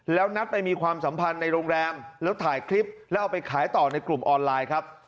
แล้วนัดไปมีความสัมพันธ์ในโรงแรมแล้วถ่ายคลิปแล้วเอาไปขายต่อในกลุ่มออนไลน์ครับ